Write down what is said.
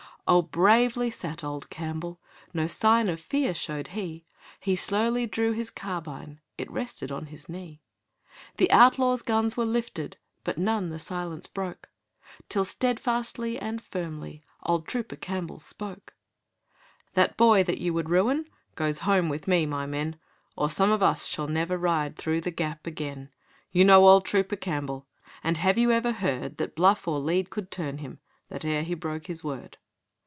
Oh, bravely sat old Campbell, No sign of fear showed he. He slowly drew his carbine; It rested by his knee. The outlaws' guns were lifted, But none the silence broke, Till steadfastly and firmly Old Trooper Campbell spoke. 'That boy that you would ruin Goes home with me, my men; Or some of us shall never Ride through the Gap again. You know old Trooper Campbell, And have you ever heard That bluff or lead could turn him, That e'er he broke his word?